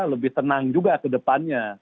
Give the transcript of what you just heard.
lebih tenang juga ke depannya